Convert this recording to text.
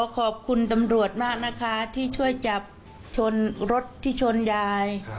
ขอบคุณตำรวจมากนะคะที่ช่วยจับชนรถที่ชนยาย